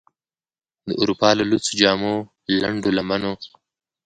د اروپا له لوڅو جامو، لنډو لمنو،